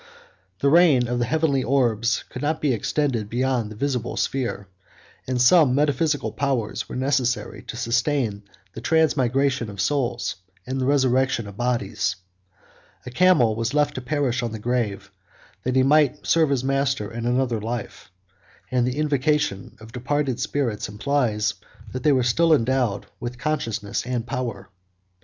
The reign of the heavenly orbs could not be extended beyond the visible sphere; and some metaphysical powers were necessary to sustain the transmigration of souls and the resurrection of bodies: a camel was left to perish on the grave, that he might serve his master in another life; and the invocation of departed spirits implies that they were still endowed with consciousness and power.